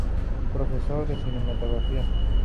Profesor de cinematografía.